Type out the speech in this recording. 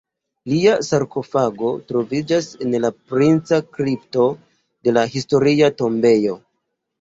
Lia sarkofago troviĝas en la Princa kripto de la historia tombejo.